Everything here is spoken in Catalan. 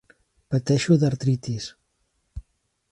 Pateixo d'artritis.